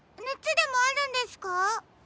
ねつでもあるんですか？